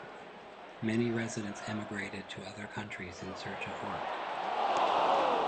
Many residents emigrated to other countries in search of work.